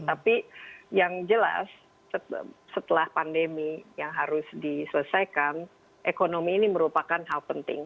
jadi yang jelas setelah pandemi yang harus diselesaikan ekonomi ini merupakan hal penting